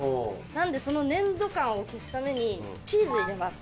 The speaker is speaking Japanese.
なのでその粘土感を消すためにチーズ入れます